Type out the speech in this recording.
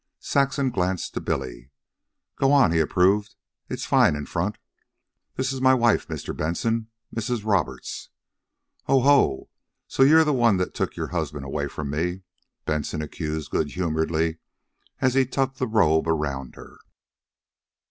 Saxon glanced to Billy. "Go on," he approved. "It's fine in front. This is my wife, Mr. Benson Mrs. Roberts." "Oh, ho, so you're the one that took your husband away from me," Benson accused good humoredly, as he tucked the robe around her.